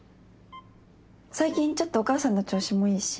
最近ちょっとお母さんの調子もいいし。